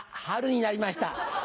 春になりました。